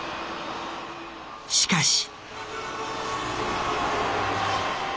しかし。